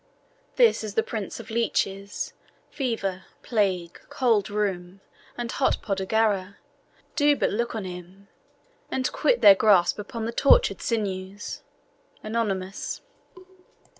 This is the prince of leeches; fever, plague, Cold rheum, and hot podagra, do but look on him, And quit their grasp upon the tortured sinews. ANONYMOUS.